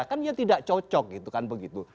kan dia tidak cocok gitu kan begitu